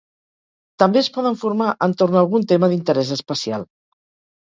També es poden formar entorn algun tema d'interès especial.